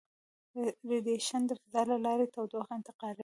ریډیشن د فضا له لارې تودوخه انتقالوي.